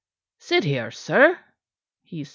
"Sit here, sir," he said.